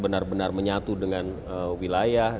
benar benar menyatu dengan wilayah